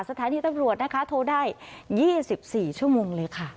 สถานีตำรวจนะคะโทรได้๒๔ชั่วโมงเลยค่ะ